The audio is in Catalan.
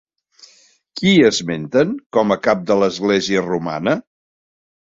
Qui esmenten com a cap de l'església romana?